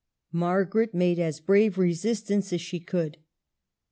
Margaret made as brave resistance as she could.